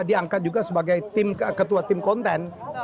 diangkat juga sebagai ketua tim konten